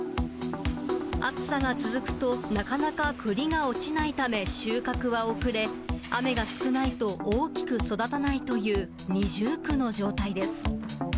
暑さが続くと、なかなか栗が落ちないため、収穫は遅れ、雨が少ないと大きく育たないという二重苦の状態です。